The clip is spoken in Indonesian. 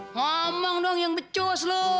ngomong dong yang becus loh